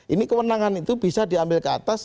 ini kewenangan itu bisa diambil ke atas